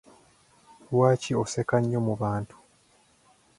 Lwaki oseka nnyo mu bantu?